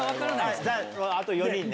あと４人ね。